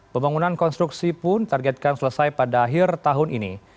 pembangunan konstruksi pun targetkan selesai pada akhir tahun ini